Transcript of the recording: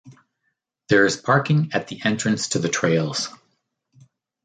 There is parking at the entrance to the trails.